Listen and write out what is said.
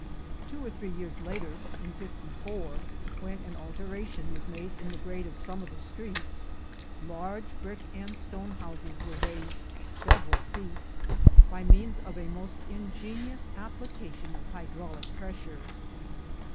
Two or three years later, in '54, when an alteration was made in the grade of some of the streets, large brick and stone houses were raised several feet, by means of a most ingenious application of hydraulic pressure.